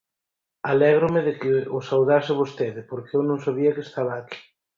Alégrome de que o saudase vostede, porque eu non sabía que estaba aquí.